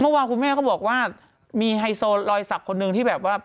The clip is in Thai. เมื่อวานคุณแม่ก็บอกว่ามีไฮโซลอยศักดิ์คนหนึ่งที่แบบว่า